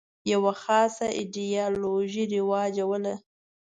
یوه خاصه ایدیالوژي رواجوله.